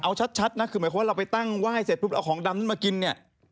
เอาชัดนะคือหมายความว่าเราไปตั้งไหว้เสร็จปุ๊บเอาของดำนั้นมากินเนี่ย